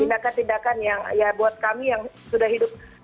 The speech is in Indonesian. tindakan tindakan yang ya buat kami yang sudah hidup